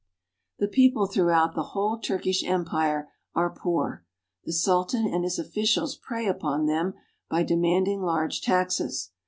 The people throughout the whole Turkish Empire are poor. The Sultan and his officials prey upon them by demanding large taxes.